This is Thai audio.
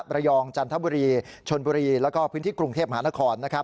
บรรจันทบุรีชนบุรีแล้วก็พื้นที่กรุงเทพมหานคร